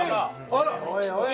おいおい！